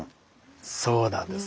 そうなんです。